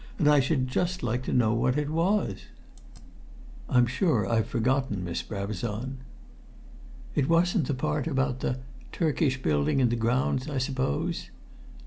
And I should just like to know what it was." "I'm sure I've forgotten, Miss Brabazon." "It wasn't the part about the the Turkish building in the grounds I suppose?"